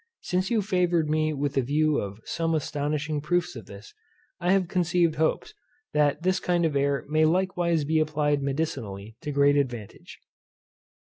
Since you favoured me with a view of some astonishing proofs of this, I have conceived hopes, that this kind of air may likewise be applied medicinally to great advantage.